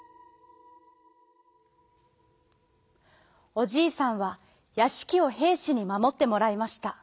おじいさんはやしきをへいしにまもってもらいました。